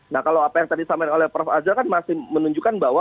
nah kalau apa yang tadi disampaikan oleh prof azul kan masih menunjukkan bahwa